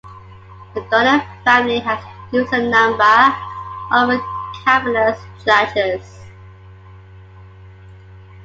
The Donner family has produced a number of Calvinist judges.